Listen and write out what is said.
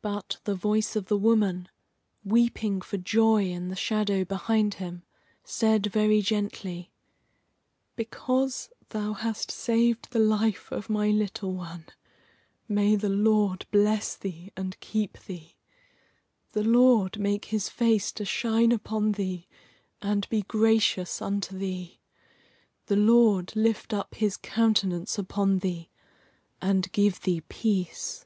But the voice of the woman, weeping for joy in the shadow behind him, said very gently: "Because thou hast saved the life of my little one, may the Lord bless thee and keep thee; the Lord make His face to shine upon thee and be gracious unto thee; the Lord lift up His countenance upon thee and give thee peace."